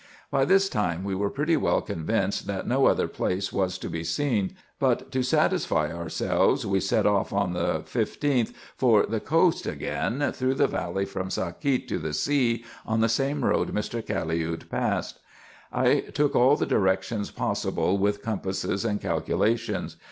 By this time we were pretty well convinced that no other place was to be seen ; but, to satisfy ourselves, we set off on the 15th, for the coast again, through the valley from Sakiet to the sea, on the same road Mr. Caliud passed. I took all the directions possible with compasses and calculations.